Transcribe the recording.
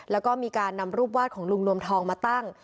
แล้วก็มีการนำรูปวาดของลุงนวมทองมาตั้ง